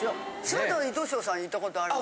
柴田は糸庄さん行ったことある？